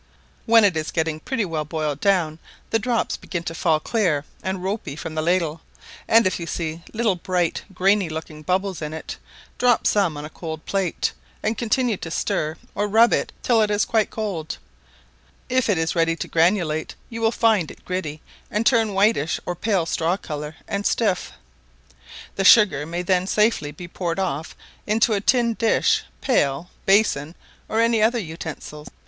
When it is getting pretty well boiled down, the drops begin to fall clear and ropy from the ladle; and if you see little bright grainy looking bubbles in it, drop some on a cold plate, and continue to stir or rub it till it is quite cold: if it is ready to granulate, you will find it gritty, and turn whitish or pale straw colour; and stiff. The sugar may then safely be poured off into a tin dish, pail, basin, or any other utensil.